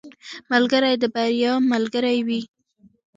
ملګری د بریا ملګری وي.